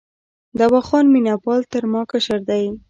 دوا خان مینه پال تر ما کشر دی.